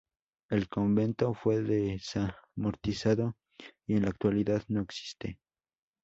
El convento fue desamortizado y en la actualidad no existe.